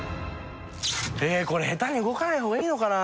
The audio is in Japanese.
これ下手に動かない方がいいのかな？